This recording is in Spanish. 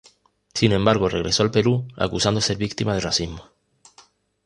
Sin embargo regreso al Perú acusando ser victima de racismo.